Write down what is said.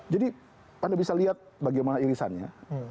jadi anda bisa lihat bagaimana irisannya